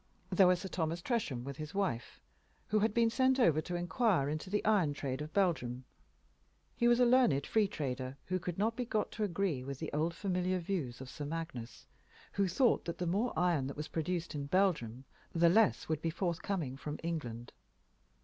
There were Sir Thomas Tresham, with his wife, who had been sent over to inquire into the iron trade of Belgium. He was a learned free trader who could not be got to agree with the old familiar views of Sir Magnus, who thought that the more iron that was produced in Belgium the less would be forthcoming from England.